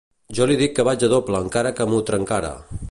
Jo li dic que vaig a doble encara que m’ho trencara.